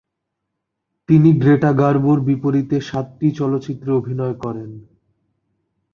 তিনি গ্রেটা গার্বোর বিপরীতে সাতটি চলচ্চিত্রে অভিনয় করেন।